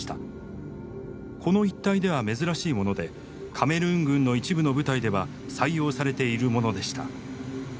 この一帯では珍しいものでカメルーン軍の一部の部隊では採用されているものでした。